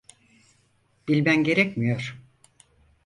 Bilmen gerekmiyor.